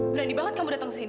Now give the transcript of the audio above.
berani banget kamu datang ke sini